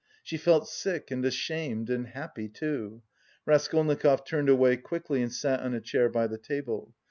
She felt sick and ashamed and happy, too.... Raskolnikov turned away quickly and sat on a chair by the table.